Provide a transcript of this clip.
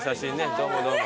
どうもどうも。